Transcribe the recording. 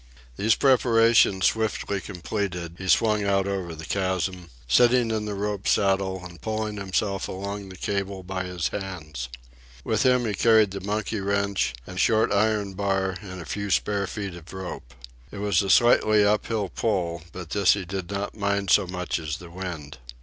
These preparations swiftly completed, he swung out over the chasm, sitting in the rope saddle and pulling himself along the cable by his hands. With him he carried the monkey wrench and short iron bar and a few spare feet of rope. It was a slightly up hill pull, but this he did not mind so much as the wind.